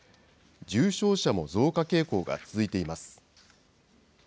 重症者も増加傾向が続いています。